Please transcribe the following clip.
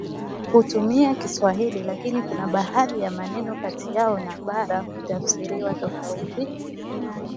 Hutumia kiswahili lakini Kuna baadhi ya maneno Kati yao na bara hutafsiriwa tofauti